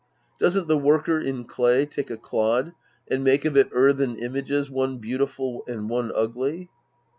Doesn't the worker in clay take a clod and make of it earthen images one beautiful and one ugly